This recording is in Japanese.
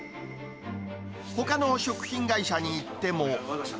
ほかの食品会社に行っても。